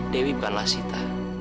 dewi bukanlah sita